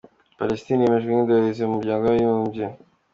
Palestine yemejwe nk’indorerezi mu Muryango w’Abibumbye